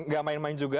gak main main juga